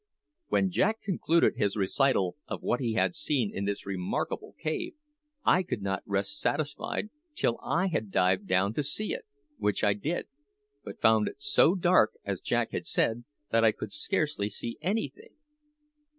When Jack concluded his recital of what he had seen in this remarkable cave, I could not rest satisfied till I had dived down to see it; which I did, but found it so dark, as Jack had said, that I could scarcely see anything.